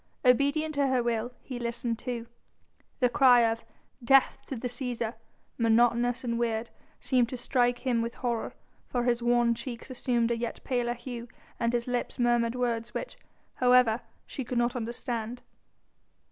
Obedient to her will he listened too. The cry of "Death to the Cæsar!" monotonous and weird, seemed to strike him with horror, for his wan cheeks assumed a yet paler hue and his lips murmured words which, however, she could not understand.